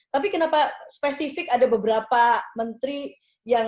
tapi kenapa spesifik ada beberapa menteri yang